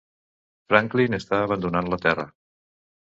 Franklin està abandonant la terra.